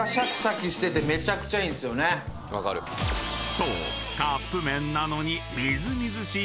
［そう］